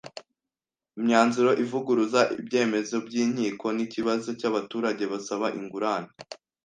imyanzuro ivuguruza ibyemezo by Inkiko n ikibazo cy abaturage basaba ingurane